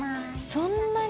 そんなに？